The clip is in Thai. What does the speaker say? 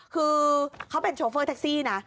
คือเขาเป็นโชเฟอร์แท็กซี่นะ